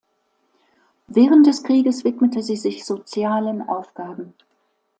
Während des Krieges widmete sie sich sozialen Aufgaben.